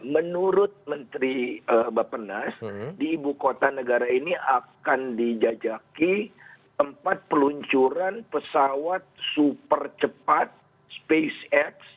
menurut menteri bapak penas di ibu kota negara ini akan dijajaki tempat peluncuran pesawat super cepat spacex